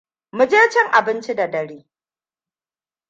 Mu je cin abinci da dare!